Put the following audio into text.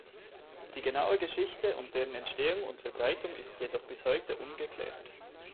Die genaue Geschichte um deren Entstehung und Verbreitung ist jedoch bis heute ungeklärt.